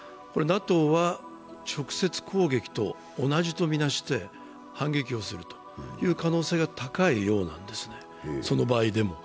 ＮＡＴＯは直接攻撃と同じとみなして反撃をするという可能性が高いようなんですね、その場合でも。